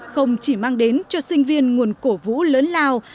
không chỉ mang đến cho sinh viên nguồn cổ vũ lớn lao